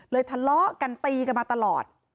ทะเลาะกันตีกันมาตลอด